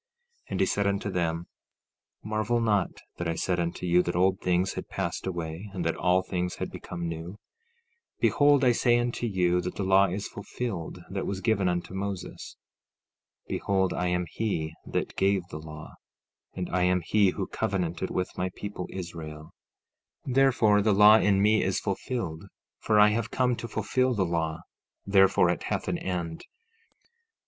15:3 And he said unto them: Marvel not that I said unto you that old things had passed away, and that all things had become new. 15:4 Behold, I say unto you that the law is fulfilled that was given unto Moses. 15:5 Behold, I am he that gave the law, and I am he who covenanted with my people Israel; therefore, the law in me is fulfilled, for I have come to fulfil the law; therefore it hath an end.